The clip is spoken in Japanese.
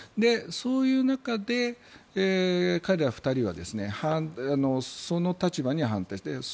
そういう中で、彼ら２人はその立場には反対した。